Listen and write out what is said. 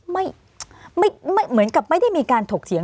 ไม่เหมือนกับไม่ได้มีการถกเถียง